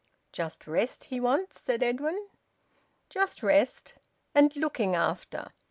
"Just rest he wants?" said Edwin. "Just rest. And looking after.